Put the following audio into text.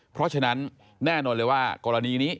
เพราะฉะนั้นแน่นอนเลยว่ากรณีนี้